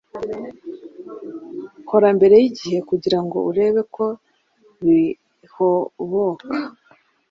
korambere yigihe kugirango urebe ko bihoboka